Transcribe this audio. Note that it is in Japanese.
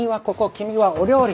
君はお料理！